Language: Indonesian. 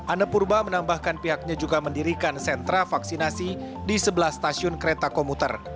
anne purba menambahkan pihaknya juga mendirikan sentra vaksinasi di sebelah stasiun kereta komuter